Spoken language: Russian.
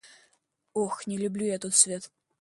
Ох, не люблю я тот свет!